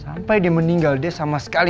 sampai dia meninggal dia sama sekali